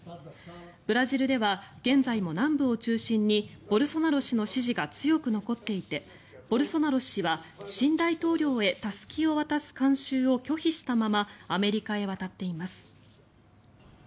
ブラジルでは現在も南部を中心にボルソナロ氏の支持が強く残っていてボルソナロ氏は新大統領へたすきを渡す慣習を拒否したままアメリカへ渡っています。